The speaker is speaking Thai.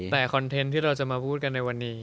แต่คอนเทนต์ที่เราจะมาพูดกันในวันนี้